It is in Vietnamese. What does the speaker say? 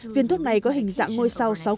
viện thuốc này có hình dạng ngôi sao sáu cây